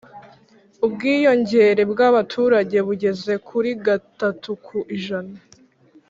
ubwiyongere bw'abaturage bugeze kuri gatatu ku ijana